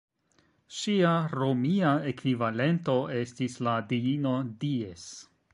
Ŝia romia ekvivalento estis la diino "Dies".